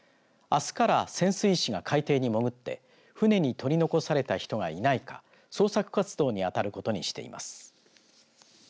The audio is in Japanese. あすから潜水士が海底に潜って船に取り残された人がいないか捜索活動にあたることにしています。